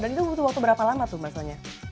dan itu waktu berapa lama tuh maksudnya